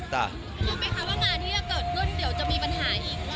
รู้ไหมคะว่างานที่จะเกิดขึ้นเดี๋ยวจะมีปัญหาอีก